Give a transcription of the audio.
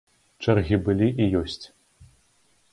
Чэргі былі і ёсць.